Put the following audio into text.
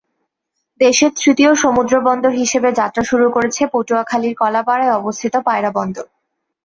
দেশের তৃতীয় সমুদ্রবন্দর হিসেবে যাত্রা শুরু করেছে পটুয়াখালীর কলাপাড়ায় অবস্থিত পায়রা বন্দর।